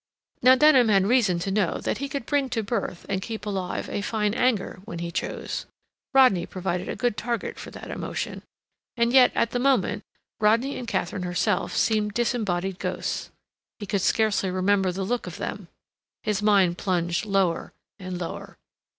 Now Denham had reason to know that he could bring to birth and keep alive a fine anger when he chose. Rodney provided a good target for that emotion. And yet at the moment, Rodney and Katharine herself seemed disembodied ghosts. He could scarcely remember the look of them. His mind plunged lower and lower.